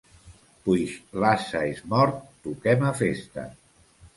Puix l'ase és mort, toquem a festa.